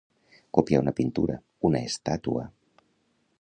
Copiar una pintura, una estàtua.